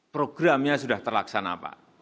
programnya sudah terlaksana pak